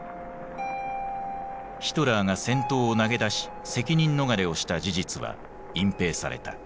ヒトラーが戦闘を投げ出し責任逃れをした事実は隠蔽された。